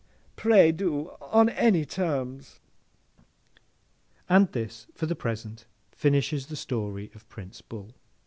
Pray do! On any terms!' And this, for the present, finishes the story of Prince Bull.